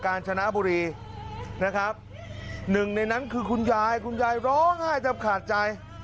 การชนะบุรีนะครับหนึ่งในนั้นคือคุณยายคุณยายร้องไห้แทบขาดใจ